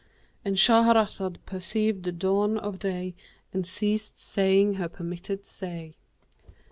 "—And Shahrazad perceived the dawn of day and ceased saying her permitted say.